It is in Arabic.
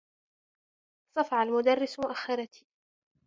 صفع المدرّس مؤخّرتي.